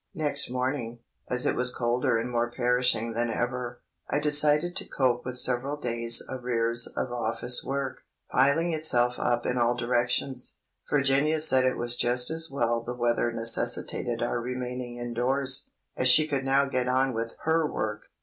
Next morning, as it was colder and more perishing than ever, I decided to cope with several days' arrears of office work, piling itself up in all directions. Virginia said it was just as well the weather necessitated our remaining indoors, as she could now get on with her work.